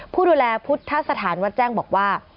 ผู้ดูแลพุทธสถานวัดแจ้งบอกว่า